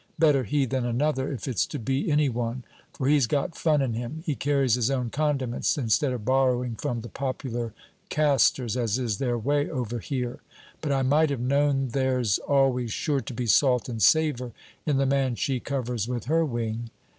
Better he than another, if it's to be any one. For he's got fun in him; he carries his own condiments, instead of borrowing from the popular castors, as is their way over here. But I might have known there 's always sure to be salt and savour in the man she covers with her wing.